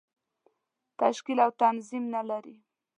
تشکیل او تنظیم نه لري.